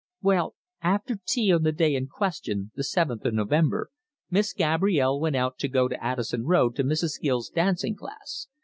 "Well, after tea on the day in question, the seventh of November, Miss Gabrielle went out to go to Addison Road to Mrs. Gill's dancing class.